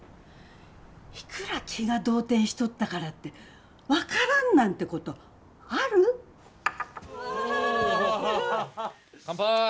いくら気が動転しとったからって分からんなんてことある？わすごい！